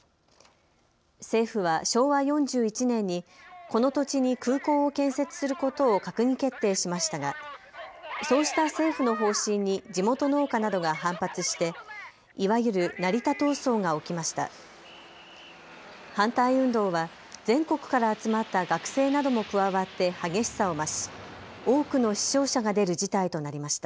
政府は昭和４１年にこの土地に空港を建設することを閣議決定しましたが、そうした政府の方針に地元農家などが反発して、いわゆる成田闘争が起きました。